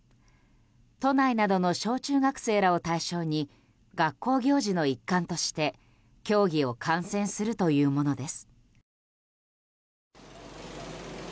都内などの小中学生らを対象に学校行事の一環として競技を観戦するというものです。